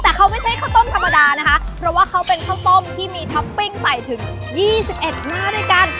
แต่เขาไม่ใช่ข้าวต้มธรรมดานะคะเพราะว่าเขาเป็นข้าวต้มที่มีท็อปปิ้งใส่ถึง๒๑หน้าด้วยกัน